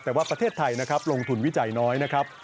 แต่ว่าประเทศไทยนะครับลงทุนวิจัยน้อยนะครับ